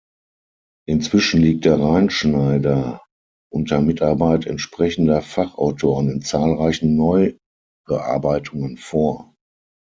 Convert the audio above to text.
Inzwischen liegt der „Rein-Schneider“ unter Mitarbeit entsprechender Fachautoren in zahlreichen Neubearbeitungen vor.